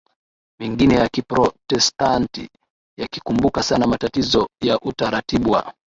mengine ya Kiprotestanti yakikumbuka sana matatizo ya utaratibu wa